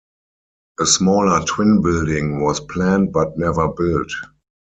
A smaller twin building was planned but never built.